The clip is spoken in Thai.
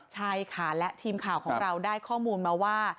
ใช่ค่ะและทีมข่าวของเราได้ข้อมูลมาว่า